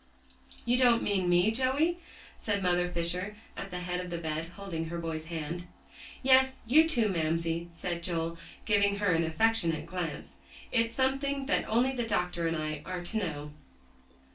"You don't mean me, Joey?" said Mother Fisher at the head of the bed, holding her boy's hand. "Yes; you, too, Mamsie," said Joel, giving her an affectionate glance, "it's something that only the doctor and I are to know."